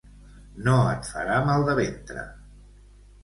No et farà mal de ventre!